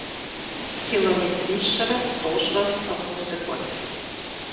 Километрищэрэ тӏощӏрэ сӏыгъыу сыкӏуэт.